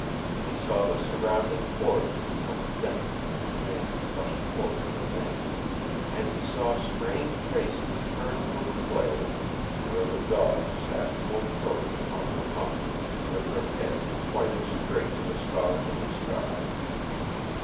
He saw the surrounding cordon become thinner as man crushed closer to man, and he saw strained faces turned from the player to where the dogs sat full throated upon their haunches, with their heads pointed straight to the stars in the sky.